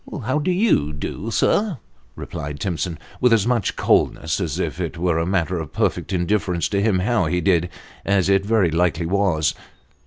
" How do you do, sir ?" replied Timson, with as much coldness as if it were a matter of perfect indifference to him how he did, as it very likely was.